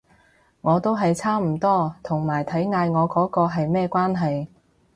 我都係差唔多，同埋睇嗌我嗰個係咩關係